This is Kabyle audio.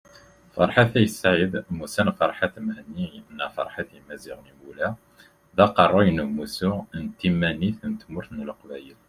Ferḥat At Said mmusan Ferhat Mehenni neɣ Ferhat Imazighen Imula, d Aqerru n Umussu n Timanit n Tmurt n Leqbayel